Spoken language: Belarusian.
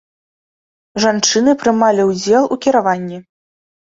Жанчыны прымалі ўдзел у кіраванні.